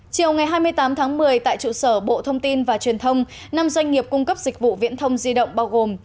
chiều ngày hai mươi tám tháng một mươi tại trụ sở bộ thông tin và truyền thông năm doanh nghiệp cung cấp dịch vụ viễn thông di động bao gồm